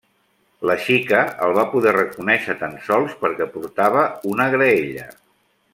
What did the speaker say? La xica el va poder reconèixer tan sols perquè portava una graella.